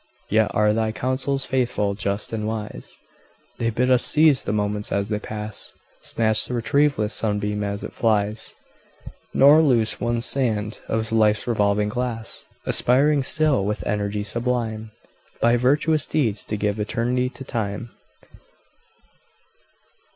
Yet are thy counsels faithful, just, and wise; They bid us seize the moments as they pass Snatch the retrieveless sunbeam as it flies, Nor lose one sand of life's revolving glass Aspiring still, with energy sublime, By virtuous deeds to give eternity to Time.